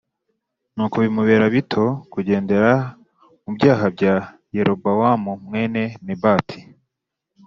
Nuko bimubereye bito kugendera mu byaha bya Yerobowamu mwene Nebati